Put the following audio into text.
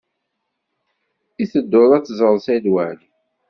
I tedduḍ ad teẓreḍ Saɛid Waɛli?